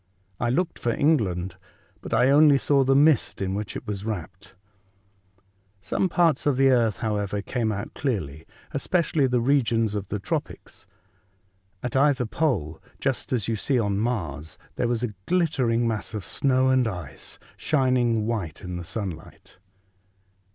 I looked for England, but I only saw the mist in which it was wrapt. Some parts of the earth, however, came out clearly, especially the regions of the tropics. At either pole, just as you see on Mars, there was a glittering mass of snow and ice shining white in the sunlight.